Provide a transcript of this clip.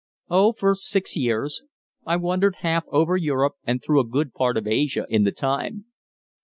"Oh, for six years. I wandered half over Europe and through a good part of Asia in the time."